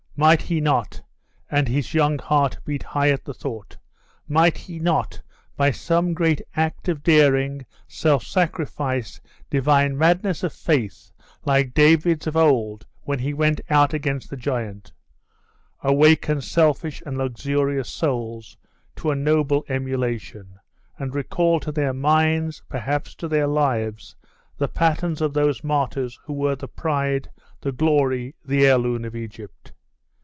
Might he not and his young heart beat high at the thought might he not, by some great act of daring, self sacrifice, divine madness of faith, like David's of old, when he went out against the giant awaken selfish and luxurious souls to a noble emulation, and recall to their minds, perhaps to their lives, the patterns of those martyrs who were the pride, the glory, the heirloom of Egypt?